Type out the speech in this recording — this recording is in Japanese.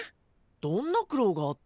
どんな苦労があったのにゃ？